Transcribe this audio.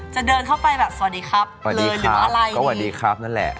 จะเดินเข้าไปแบบสวัสดีครับลืมอาลายเงี้ยสวัสดีครับก็สวัสดีครับนั่นแหละ